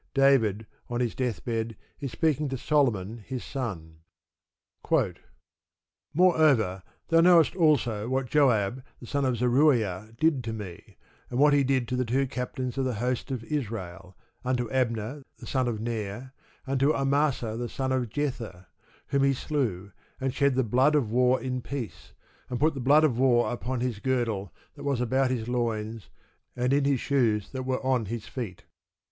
David, on his deathbed, is speaking to Solomon, his son: Moreover thou knowest also what Joab the son of Zeruiah did to me, and what he did to the two captains of the host of Israel, unto Abner the son of Ner, and unto Amasa the son of Jether, whom he slew, and shed the blood of war in peace, and put the blood of war upon his girdle that was about his loins, and in his shoes that were on his feet.